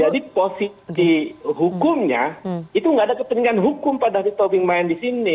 jadi posisi hukumnya itu tidak ada kepentingan hukum pak dati tobing main di sini